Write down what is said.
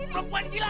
lu perempuan gila lu